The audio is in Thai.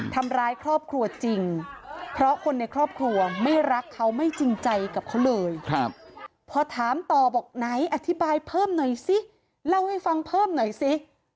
ทำร้ายครอบครัวจริงเพราะคนในครอบครัวไม่รักเขาไม่จริงใจกับเขาเลยพอถามต่อบอกไหนอธิบายเพิ่มหน่อยสิเล่าให้ฟังเพิ่มหน่อยสิ